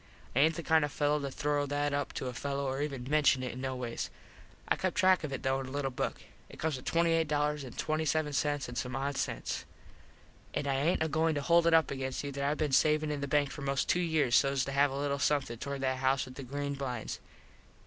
I aint the kind of a fello to throw that up to a fello or even menshun it in no ways. I kept track of it though in a little book. It comes to $28.27 and some odd sense. An I aint agoin to hold it up against you that I been savin in the bank for most two years sos to have a little somethin towards that house with the green blinds.